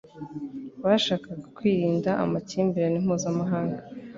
Bashakaga kwirinda amakimbirane mpuzamahanga